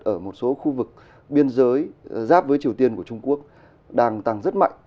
ở một số khu vực biên giới giáp với triều tiên của trung quốc đang tăng rất mạnh